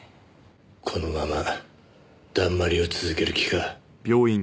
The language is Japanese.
このままだんまりを続ける気か？